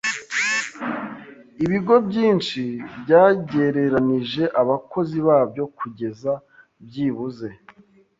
Ibigo byinshi byagereranije abakozi babyo kugeza byibuze.